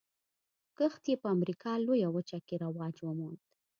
کښت یې په امریکا لویه وچه کې رواج وموند.